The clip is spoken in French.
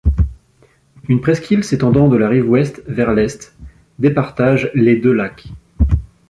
Une presqu'île s'étendant de la rive ouest vers l'est, départage les deux lacs.